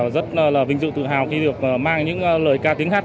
rất là vinh dự tự hào khi được mang những lời ca tiếng hát